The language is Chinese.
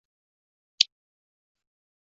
虽然最终结果会是正确的